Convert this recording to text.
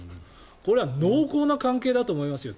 これは濃厚な関係だと思いますよ